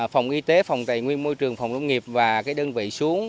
phòng y tế phòng tài nguyên môi trường phòng nông nghiệp và đơn vị xuống